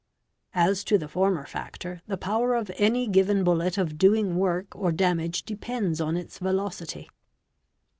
As to the former factor the power of any given bullet of doing work or damage depends on its velocity.